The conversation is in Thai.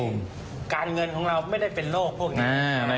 เพื่อให้การเงินของเราไม่ได้เป็นโรคพวกนั้น